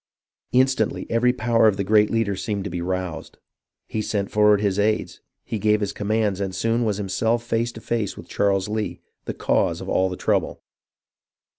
Instantly every power of the great leader seemed to be roused. He sent forward his aides, he gave his com mands, and soon was himself face to face with Charles Lee, the cause of all the trouble.